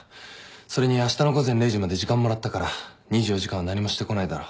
それにあしたの午前０時まで時間もらったから２４時間は何もしてこないだろ。